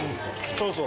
そうそう。